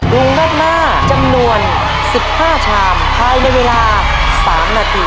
งงราดหน้าจำนวน๑๕ชามภายในเวลา๓นาที